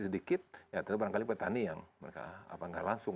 jadi kita yang beli sedikit ya itu barangkali petani yang langsung